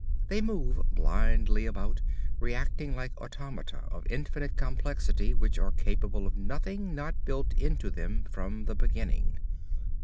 They move blindly about, reacting like automata of infinite complexity which are capable of nothing not built into them from the beginning.